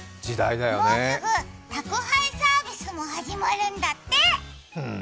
もうすぐ宅配サービスも始まるんだって。